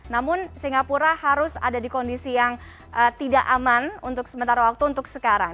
namun singapura harus ada di kondisi yang tidak aman untuk sementara waktu untuk sekarang